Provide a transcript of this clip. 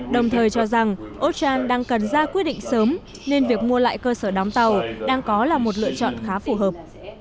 đồng thời cho rằng ochan đang cần ra quyết định sớm nên việc mua lại cơ sở đóng tàu đang có là một lựa chọn khá phù hợp